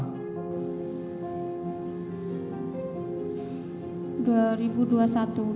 sejak tahun berapa